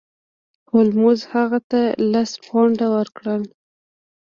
هولمز هغه ته لس پونډه ورکړل.